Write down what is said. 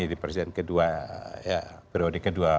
di periode kedua